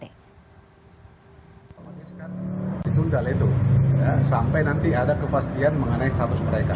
sampai nanti ada kepastian mengenai status mereka